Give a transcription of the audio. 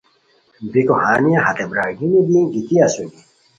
بیکو ہانیہ ہتے برارگینی دی گیتی اسونی